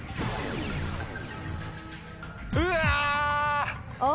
うわ！